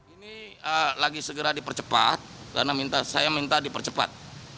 ini lagi segera dipercepat karena saya minta dipercepat